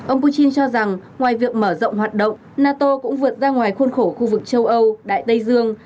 ông putin cho rằng ngoài việc mở rộng hoạt động nato cũng vượt ra ngoài khuôn khổ khu vực châu âu đại tây dương